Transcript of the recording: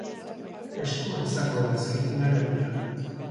Estua izango da azken finalerdia!